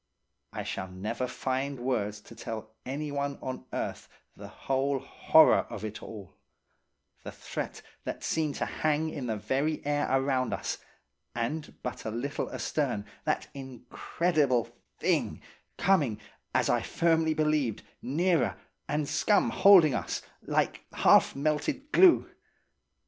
I shall never find words to tell anyone on earth the whole horror of it all–the threat that seemed to hang in the very air around us, and but a little astern that incredible thing, coming, as I firmly believed, nearer, and scum holding us, like half melted glue.